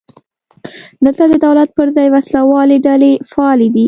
دلته د دولت پر ځای وسله والې ډلې فعالې دي.